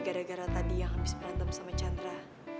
gara gara tadi yang habis berantem sama chandra